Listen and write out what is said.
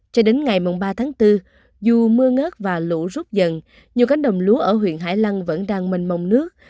cho đến ngày ba tháng bốn dù mưa ngớt và lũ rút dần nhiều cánh đồng lúa ở huyện hải lăng vẫn đang mênh mông nước